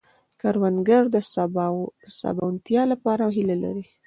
کروندګر د سباوونتیا لپاره هيله لري